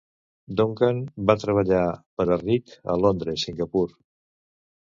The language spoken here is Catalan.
Duncan va treballar per a Rich a Londres Singapur.